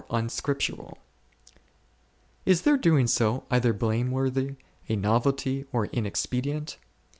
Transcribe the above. unscrtptttraL Is their doing so either blameworthy, a novelty, or inexpedient?